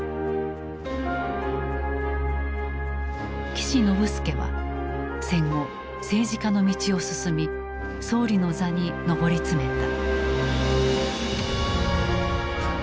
岸信介は戦後政治家の道を進み総理の座に上り詰めた。